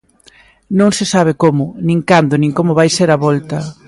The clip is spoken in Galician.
Non se sabe como, nin cando nin como vai ser a volta.